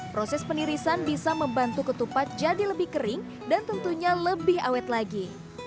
proses penirisan bisa membantu ketupat jadi lebih kering dan tentunya lebih awet lagi